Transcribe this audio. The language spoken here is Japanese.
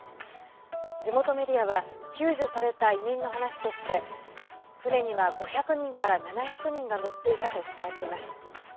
地元メディアは救助された移民の話として船には５００人から７００人が乗っていたと伝えています。